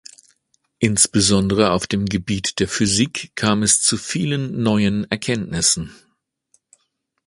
Insbesondere auf dem Gebiet der Physik kam es zu vielen neuen Erkenntnissen.